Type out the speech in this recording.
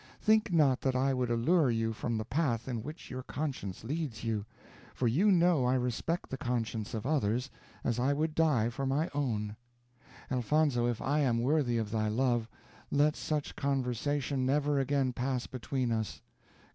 Think not that I would allure you from the path in which your conscience leads you; for you know I respect the conscience of others, as I would die for my own. Elfonzo, if I am worthy of thy love, let such conversation never again pass between us.